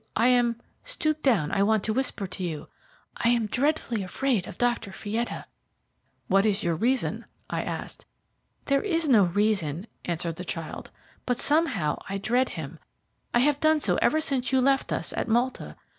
I am stoop down, I want to whisper to you I am dreadfully afraid of Dr. Fietta." "What is your reason?" I asked. "There is no reason," answered the child, "but somehow I dread him. I have done so ever since you left us at Malta.